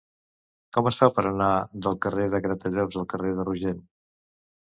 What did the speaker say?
Com es fa per anar del carrer de Gratallops al carrer de Rogent?